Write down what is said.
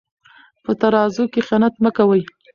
په ترازو کې خیانت مه کوئ.